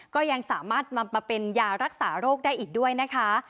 ก็ยังสามารถนำมาเป็นยารักษาโรคได้อีกด้วยนะคะ